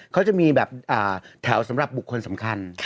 เขาจะมีแบบแถวสำหรับบุคคลสำคัญ